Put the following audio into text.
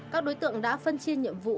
các đối tượng đã phân chia nhiệm vụ